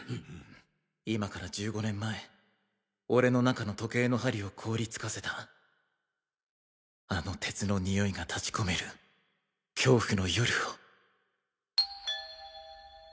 今から１５年前俺の中の時計の針を凍りつかせたあの鉄のにおいが立ち込める恐怖の夜を。